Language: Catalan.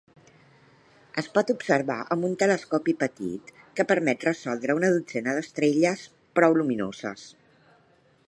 Es pot observar amb un telescopi petit, que permet resoldre una dotzena d'estrelles prou lluminoses.